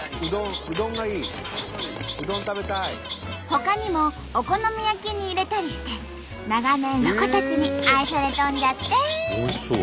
ほかにもお好み焼きに入れたりして長年ロコたちに愛されとんじゃって！